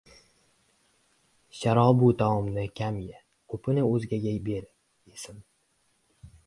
— Sharobu taomni kam ye, ko‘pini o‘zgaga ber—esin.